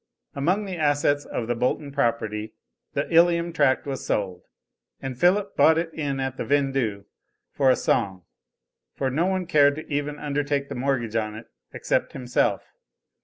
Among the assets of the Bolton property, the Ilium tract was sold, and Philip bought it in at the vendue, for a song, for no one cared to even undertake the mortgage on it except himself.